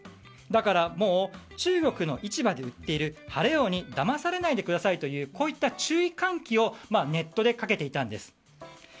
だからもう中国の市場で売ってる晴王にだまされないでくださいという注意喚起をネットでかけていたんです。